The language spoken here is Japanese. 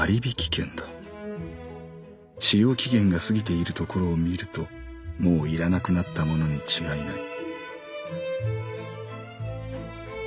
使用期限が過ぎているところを見るともう要らなくなったものに違いない」。